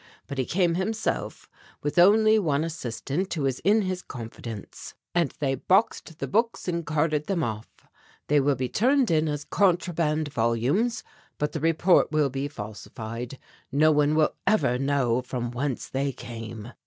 But he came himself with only one assistant who is in his confidence, and they boxed the books and carted them off. They will be turned in as contraband volumes, but the report will be falsified; no one will ever know from whence they came."